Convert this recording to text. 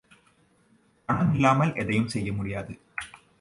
பணம் இல்லாமல் எதையும் செய்ய முடியாது.